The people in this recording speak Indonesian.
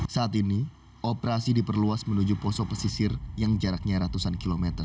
saat ini operasi diperluas menuju poso pesisir yang jaraknya ratusan kilometer